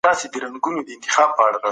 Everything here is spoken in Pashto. يوازې مينه وکړو.